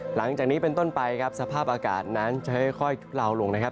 หลังจากนี้เป็นต้นไปครับสภาพอากาศนั้นจะค่อยทุลาวลงนะครับ